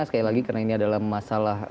sekali lagi karena ini adalah masalah